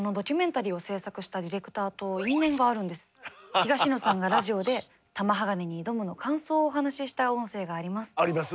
東野さんがラジオで「玉鋼に挑む」の感想をお話しした音声があります。あります。